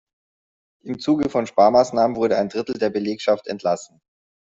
Im Zuge von Sparmaßnahmen wurde ein Drittel der Belegschaft entlassen.